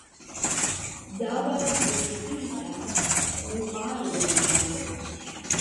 Dabei wurde Spielberg Ruralgemeinde.